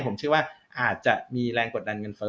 ผมเชื่อว่าอาจจะมีแรงกดดันเงินเฟ้อ